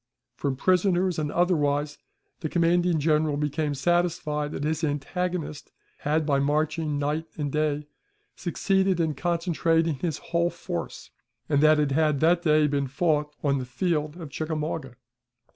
From prisoners and otherwise, the commanding General became satisfied that his antagonist had by marching night and day succeeded in concentrating his whole force, and that it had that day been fought on the field of Chickamauga.